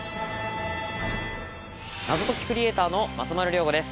クリエイターの松丸亮吾です